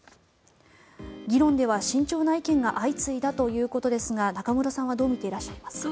議論では慎重な意見が相次いだということですが中室さんはどう見ていらっしゃいますか？